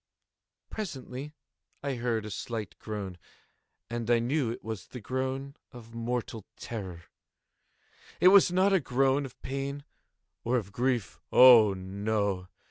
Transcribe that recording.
Presently I heard a slight groan, and I knew it was the groan of mortal terror. It was not a groan of pain or of grief—oh, no!